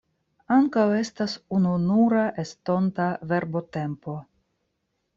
Ankaŭ estas ununura estonta verbotempo.